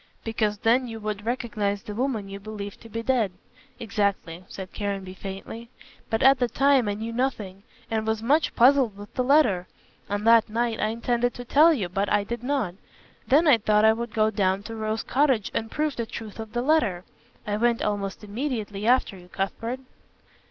"Because then you would recognize the woman you believed to be dead." "Exactly," said Caranby faintly, "but at the time I knew nothing, and was much puzzled with the letter. On that night I intended to tell you, but I did not. Then I thought I would go down to Rose Cottage and prove the truth of the letter. I went almost immediately after you, Cuthbert."